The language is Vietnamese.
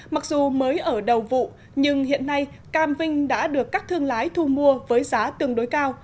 mặc dù mới ở đầu vụ nhưng hiện nay cam vinh đã được các thương lái thu mua với giá tương đối cao